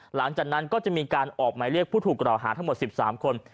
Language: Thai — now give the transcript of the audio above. หลังจากนั้นก็จะมีการออกหมายเรียกผู้ถูกกล่าวหาทั้งหมด๑๓คน